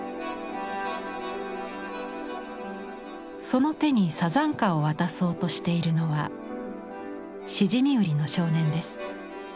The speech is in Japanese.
その手にさざんかを渡そうとしているのはシジミ売りの少年です。